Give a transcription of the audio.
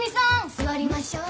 座りましょう。